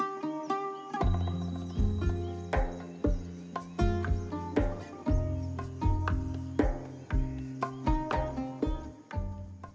yang diambil dari mata air pebundungan muria